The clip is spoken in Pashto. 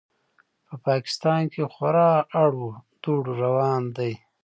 په پاکستان کې خورا اړ و دوړ روان دی.